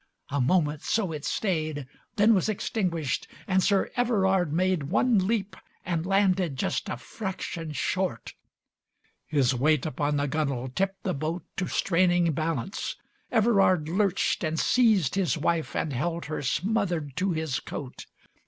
A moment so it stayed, Then was extinguished, and Sir Everard made One leap, and landed just a fraction short. LXI His weight upon the gunwale tipped the boat To straining balance. Everard lurched and seized His wife and held her smothered to his coat.